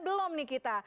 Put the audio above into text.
belum nih kita